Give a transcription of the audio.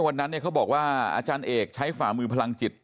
วันนั้นเขาบอกว่าอาจารย์เอกใช้ฝ่ามือพลังจิต